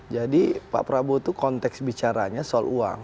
jadi pak prabowo itu konteks bicaranya soal uang